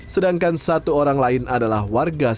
sedangkan satu orang lain adalah warga sipil